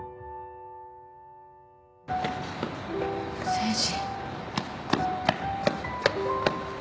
誠治。